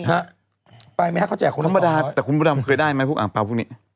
ฮะไปไหมฮะเขาแจกคุณสองร้อยคุณประดาษแต่คุณประดาษเคยได้ไหมพวกอ่างปราวพวกนี้